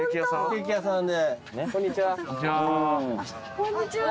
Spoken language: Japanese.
こんにちは。